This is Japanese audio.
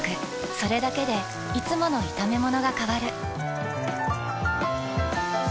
それだけでいつもの炒めものが変わる。